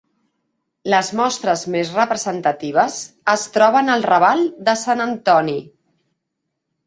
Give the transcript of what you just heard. Les mostres més representatives es troben al Raval de Sant Antoni.